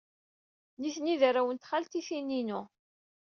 Nitni d arraw n txaltitin-inu.